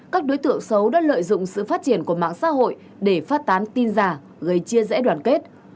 các đối tượng xấu đã lợi dụng sự phát triển của mạng xã hội để phát tán tin giả gây chia rẽ đoàn kết